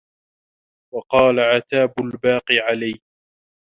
وَقَالَ عَتَّابٌ الْبَاقِي عَلَيَّ